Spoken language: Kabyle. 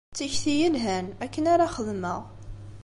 D tikti yelhan. Akken ara xedmeɣ.